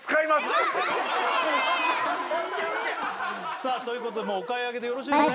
さあということでもうお買い上げでよろしいですね？